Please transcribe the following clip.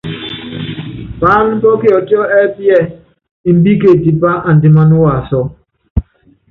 Paáná pɔ́ kiɔtiɔ ɛ́pí ɛɛ: Embíke tipa andiman waasɔ.